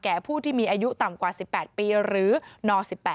ผู้ที่มีอายุต่ำกว่า๑๘ปีหรือน๑๘